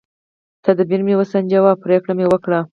تدبیر مې وسنجاوه او پرېکړه مې وکړه.